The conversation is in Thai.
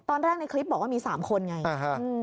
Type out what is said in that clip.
ตอนแรกในคลิปบอกว่ามี๓คนไง